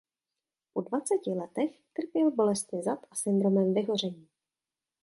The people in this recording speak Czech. Po dvaceti letech trpěl bolestmi zad a syndromem vyhoření.